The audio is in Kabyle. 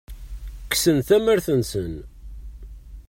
Kksen tamart-nsen.